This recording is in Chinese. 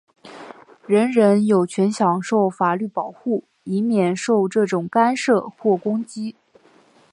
人人有权享受法律保护,以免受这种干涉或攻击。